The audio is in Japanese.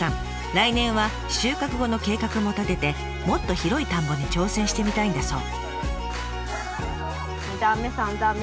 来年は収穫後の計画も立ててもっと広い田んぼに挑戦してみたいんだそう。